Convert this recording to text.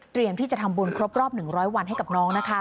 ที่จะทำบุญครบรอบ๑๐๐วันให้กับน้องนะคะ